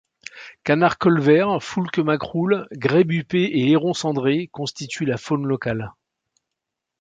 Canard colvert, foulque macroule, grèbe huppé et héron cendré constituent la faune locale.